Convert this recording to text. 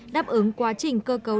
đáp ứng quá trình cơ cấu